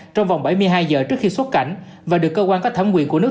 trong vòng bảy mươi hai giờ trước khi xuất cảnh và được cơ quan có thẩm quyền của nước